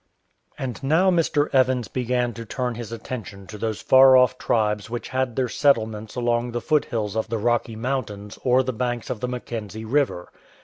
And now Mr. Evans began to turn his attention to those far off tribes which had their settlements along the foothills of the Rocky Mountains or the banks of the Mackenzie River.